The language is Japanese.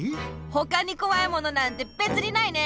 ほかにこわいものなんてべつにないね！